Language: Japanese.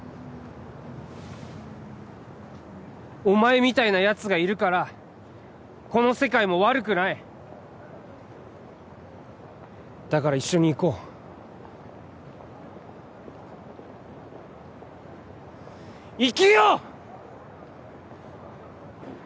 お前みたいなヤツがいるからこの世界も悪くないだから一緒に行こう生きよう！